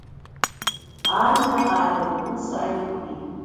Аанда ааибаркны сааиуеит уажәы.